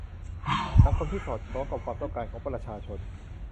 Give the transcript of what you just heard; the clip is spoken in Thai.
สังคมที่สอดคล้องกับความต้องการของประชาชน